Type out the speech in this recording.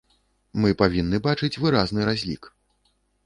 Мы павінны бачыць выразны разлік.